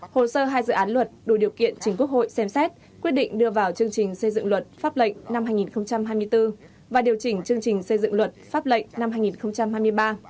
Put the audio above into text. hồ sơ hai dự án luật đủ điều kiện chính quốc hội xem xét quyết định đưa vào chương trình xây dựng luật pháp lệnh năm hai nghìn hai mươi bốn và điều chỉnh chương trình xây dựng luật pháp lệnh năm hai nghìn hai mươi ba